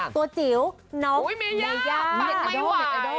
ตัวจิ๋วน้องเมย่าปังไม่ไหว